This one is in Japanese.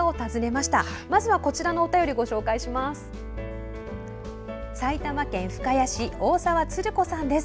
まずは、こちらのお便りご紹介します。